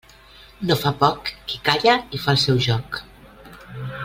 No fa poc qui calla i fa el seu joc.